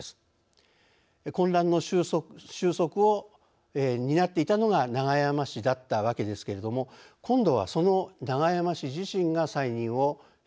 混乱の収束を担っていたのが永山氏だったわけですけれども今度はその永山氏自身が再任を否決されてしまいました。